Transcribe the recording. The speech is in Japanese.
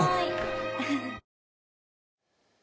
はい。